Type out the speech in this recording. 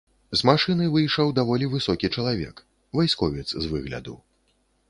З машыны выйшаў даволі высокі чалавек, вайсковец з выгляду.